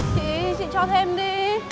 chị chị cho thêm đi